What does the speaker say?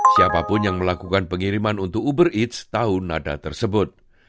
siapapun yang melakukan pengiriman untuk uber eats tahu nada tersebut